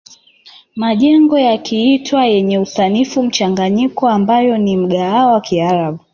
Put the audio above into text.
Majengo yakiitwa yenye usanifu mchanganyiko ambayo ni mgahawa wa kiarabu